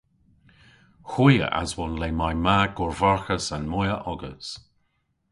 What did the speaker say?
Hwi a aswon le may ma gorvarghas an moyha ogas.